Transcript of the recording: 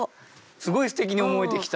すごいすてきに思えてきた。